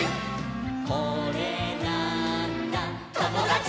「これなーんだ『ともだち！』」